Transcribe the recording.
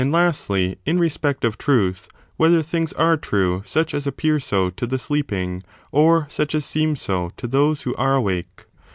103 lastly, in respect of truth, whether things are true such as appear so to the sleeping, or such as seem so to those who are awake?